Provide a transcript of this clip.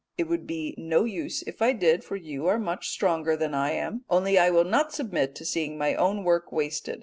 It would be no use if I did, for you are much stronger than I am, only I will not submit to seeing my own work wasted.